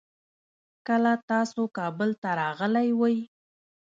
کله تاسو کابل ته راغلې وي؟